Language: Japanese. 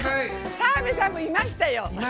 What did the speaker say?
澤部さんもいましたよ。